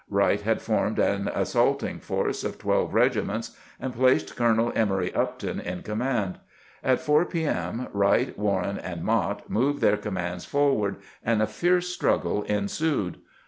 Wright had formed an assaulting force of twelve regiments, and placed Colonel Emory Upton in command. At 4 p. M. Wright, Warren, and Mott moved their commands forward, and a fierce struggle ensued.